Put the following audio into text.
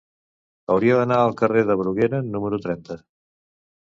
Hauria d'anar al carrer de Bruguera número trenta.